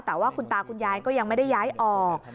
แต่ว่าคุณตาคุณยายก็ยังไม่ได้ย้ายออก